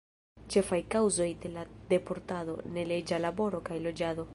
Ĉefaj kaŭzoj de la deportado: neleĝa laboro kaj loĝado.